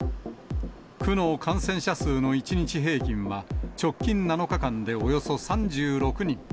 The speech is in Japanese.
区の感染者数の１日平均は、直近７日間でおよそ３６人。